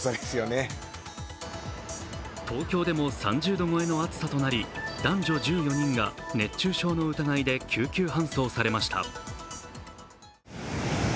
東京でも３０度超えの暑さとなり男女１４人が熱中症の疑いで救急搬送されました。